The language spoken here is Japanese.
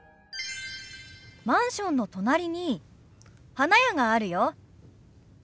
マンションの隣に花屋があるよ。